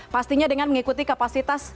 pastinya dengan mengikuti kapasitas